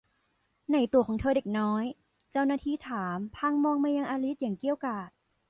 ไหนตั๋วของเธอเด็กน้อย เจ้าหน้าที่ถามพลางมองมายังอลิซอย่างเกรี้ยวกราด